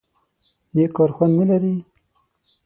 _نېک کار خوند نه لري؟